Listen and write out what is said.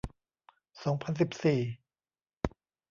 สองพันสิบสี่